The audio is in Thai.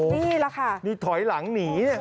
นี่แหละค่ะนี่ถอยหลังหนีเนี่ย